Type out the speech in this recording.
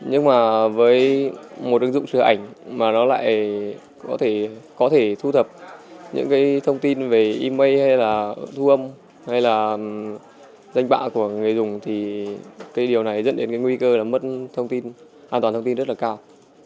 nhưng mà với một ứng dụng sửa ảnh mà nó lại có thể có thể thu thập những cái thông tin về emai hay là thu âm hay là danh bạ của người dùng thì cái điều này dẫn đến cái nguy cơ là mất thông tin an toàn thông tin rất là cao